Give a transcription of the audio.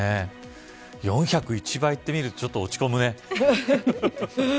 ４０１倍って見るとちょっと落ち込むね。